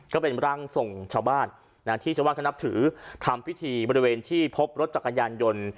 ก็เป็นร่างทรงชาวบ้านที่ชาวบ้านเขานับถือทำพิธีบริเวณที่พบรถจักรยานยนต์